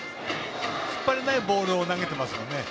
引っ張れないボールを投げていますね。